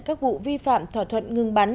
các vụ vi phạm thỏa thuận ngưng bắn